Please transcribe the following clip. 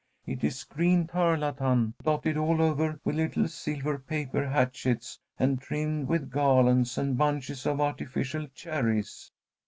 It is green tarlatan dotted all over with little silver paper hatchets, and trimmed with garlands and bunches of artificial cherries."